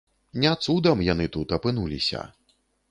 Не цудам яны тут апынуліся.